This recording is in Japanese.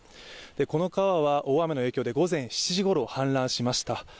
この川は大雨の影響で午前７時ごろ氾濫しました。